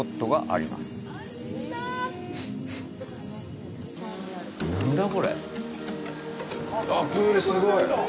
あっ、プール、すごい！